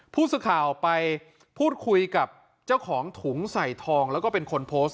ผู้สื่อข่าวไปพูดคุยกับเจ้าของถุงใส่ทองแล้วก็เป็นคนโพสต์